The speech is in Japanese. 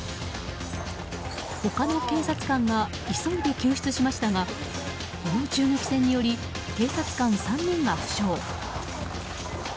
他の警察官が急いで救出しましたがこの銃撃戦により警察官３人が負傷。